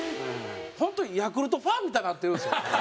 本当にヤクルトファンみたいになってるんですよ。